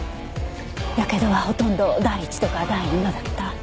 やけどはほとんど第１度か第２度だった。